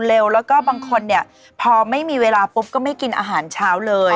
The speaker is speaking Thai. แล้วก็บางคนเนี่ยพอไม่มีเวลาปุ๊บก็ไม่กินอาหารเช้าเลย